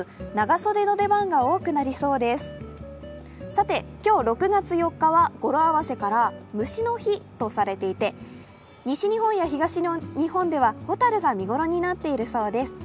さて、今日６月４日は語呂合わせから虫の日とされていて、西日本や東日本では、蛍が見頃になっているそうです。